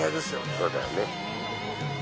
そうだよね。